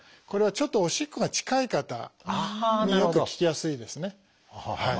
これはちょっとおしっこが近い方によく効きやすいですね。